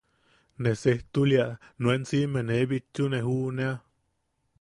Ne sejtullia nuen siʼime ne bitchune juʼunea.